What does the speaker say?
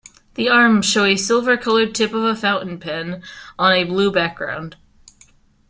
The arms show a silver-colored tip of a fountain pen on a blue background.